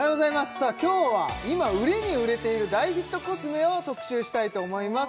さあ今日は今売れに売れている大ヒットコスメを特集したいと思います